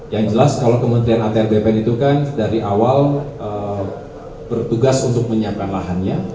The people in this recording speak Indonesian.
yang jelas kalau kementerian atr bpn itu kan dari awal bertugas untuk menyiapkan lahannya